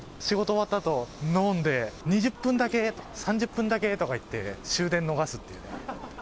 仕事終わった後飲んで「２０分だけ３０分だけ」とか言って終電逃すっていうね。